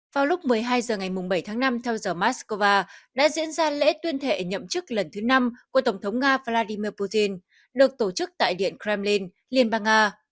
vào lúc một mươi hai h ngày bảy tháng năm theo giờ moscow đã diễn ra lễ tuyên thệ nhậm chức lần thứ năm của tổng thống nga vladimir putin được tổ chức tại điện kremlin liên bang nga